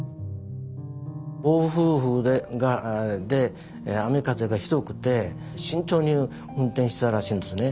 暴風雨で雨風がひどくて慎重に運転してたらしいんですね。